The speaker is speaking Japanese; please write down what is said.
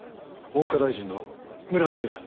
文科大臣の村富だ。